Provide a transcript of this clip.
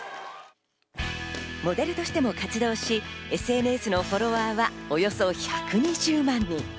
モデルとしても活動し、ＳＮＳのフォロワーはおよそ１２０万人。